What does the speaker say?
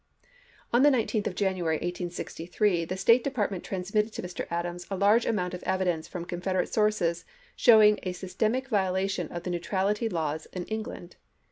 On the 19th of January, 1863, the State Depart ment transmitted to Mr. Adams a large amount of evidence from Confederate sources showing a sys tematic violation of the neutrality laws in England.